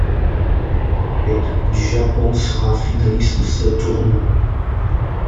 L'équipe du Japon sera finaliste de ce tournoi.